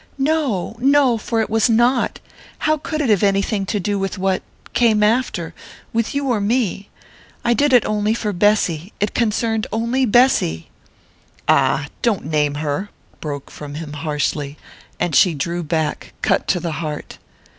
"No! No! for it was not. How could it have anything to do with what...came after...with you or me? I did it only for Bessy it concerned only Bessy!" "Ah, don't name her!" broke from him harshly, and she drew back, cut to the heart.